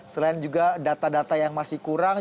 selain juga data data yang masih kurang